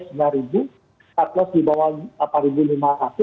cut loss di bawah delapan lima ratus